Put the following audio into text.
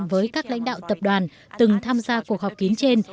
với các lãnh đạo tập đoàn từng tham gia cuộc họp kín trên